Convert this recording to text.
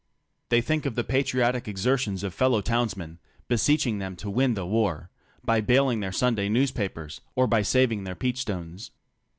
They think of the patriotic exertions of fellow townsmen beseeching them to win the war by baling their Sunday newspapers, or by saving their peachstones.